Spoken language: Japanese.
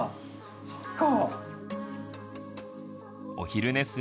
そっか。